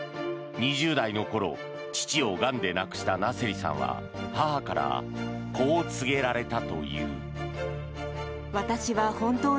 ２０代の頃父をがんで亡くしたナセリさんは母からこう告げられたという。